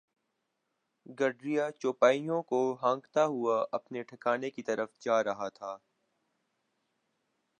گڈریا چوپایوں کو ہانکتا ہوا اپنے ٹھکانے کی طرف جا رہا تھا